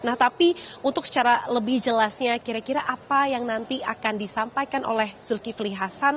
nah tapi untuk secara lebih jelasnya kira kira apa yang nanti akan disampaikan oleh zulkifli hasan